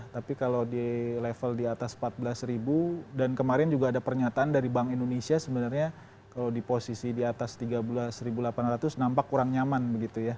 tapi kalau di level di atas empat belas dan kemarin juga ada pernyataan dari bank indonesia sebenarnya kalau di posisi di atas tiga belas delapan ratus nampak kurang nyaman begitu ya